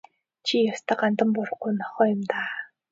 Чи ч ёстой гандан буурахгүй нохой юм даа.